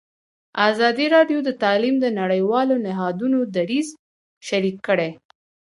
ازادي راډیو د تعلیم د نړیوالو نهادونو دریځ شریک کړی.